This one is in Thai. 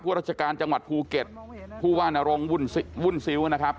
ราชการจังหวัดภูเก็ตผู้ว่านรงวุ่นซิ้วนะครับ